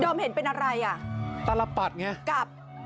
ด้อมเห็นเป็นอะไรตลปัดอย่างนี้